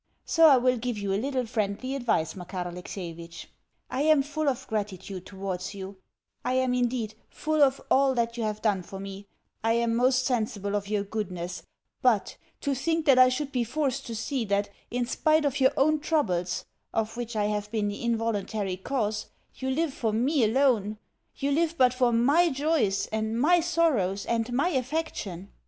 So I will give you a little friendly advice, Makar Alexievitch. I am full of gratitude towards you I am indeed full for all that you have done for me, I am most sensible of your goodness; but, to think that I should be forced to see that, in spite of your own troubles (of which I have been the involuntary cause), you live for me alone you live but for MY joys and MY sorrows and MY affection!